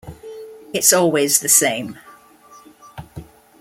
It's always the same.